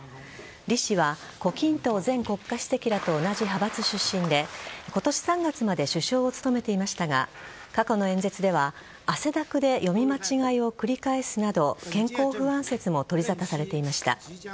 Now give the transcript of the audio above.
李氏は胡錦濤前国家主席らと同じ派閥出身で今年３月まで首相を務めていましたが過去の演説では、汗だくで読み間違いを繰り返すなど健康不安説も取りざたされていました。